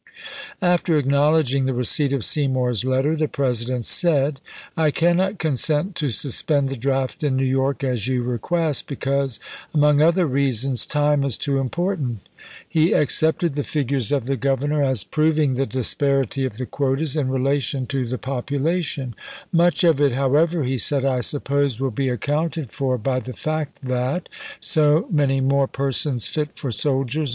After acknowledg ing the receipt of Seymour's letter, the President said, " I cannot consent to suspend the draft in New York as you request, because, among other reasons, time is too important." He accepted the figures of the Governor as proving the disparity of the quotas in relation to the population ;" much of it, how ever," he said, " I suppose will be accounted for by the fact that so many more persons fit for soldiers Vol.